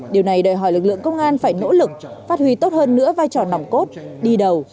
điều này đòi hỏi lực lượng công an phải nỗ lực phát huy tốt hơn nữa vai trò nòng cốt đi đầu